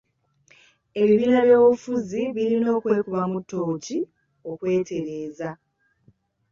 Ebibiina by'ebyobufuzi birina okwekubamu ttooki okwetereeza.